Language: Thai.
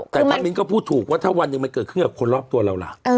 แต่ถ้ามิ้นก็พูดถูกว่าถ้าวันหนึ่งมันเกิดขึ้นกับคนรอบตัวเราล่ะ